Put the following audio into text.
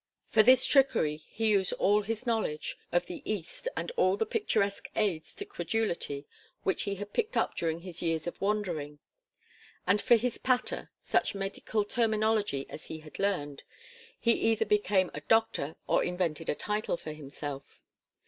For this trickery he used all his knowledge of the East and all the picturesque aids to credulity which he had picked up during his years of wandering; and for his "patter," such medical terminology as he had learned he either became a doctor or invented a title for himself.